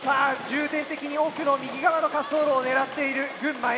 重点的に奥の右側の滑走路を狙っている群馬Ａ。